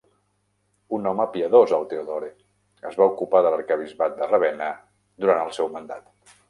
Un home piadós, el Theodore, es va ocupar de l'Arquebisbat de Ravenna durant el seu mandat.